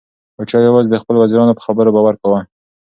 پاچا یوازې د خپلو وزیرانو په خبرو باور کاوه.